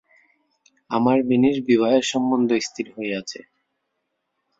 আমার মিনির বিবাহের সম্বন্ধ স্থির হইয়াছে।